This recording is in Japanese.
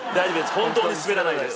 本当に滑らないです。